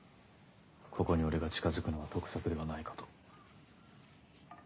ここに俺が近づくのは得策ではないかと。